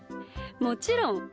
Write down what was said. もちろん。